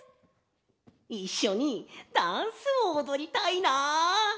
いっしょにダンスをおどりたいな！